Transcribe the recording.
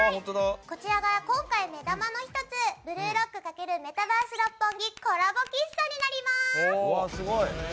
こちらが今回、目玉の１つ「ブルーロック×メタバース六本木」コラボ喫茶になります。